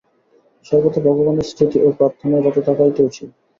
সর্বদা ভগবানের স্তুতি ও প্রার্থনায় রত থাকাই তো উচিত।